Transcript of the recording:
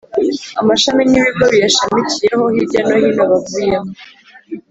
amashami n’ ibigo biyishamikiyeho hirya no hino bavuyemo.